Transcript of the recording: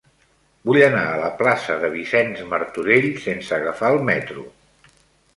Vull anar a la plaça de Vicenç Martorell sense agafar el metro.